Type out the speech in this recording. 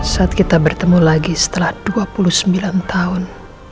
saat kita bertemu lagi setelah dua puluh sembilan tahun